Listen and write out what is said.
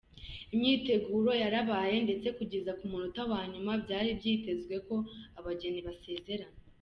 Imyiteguro yarabaye, ndetse kugeza ku munota wa nyuma byari byitezwe ko abageni basezerana.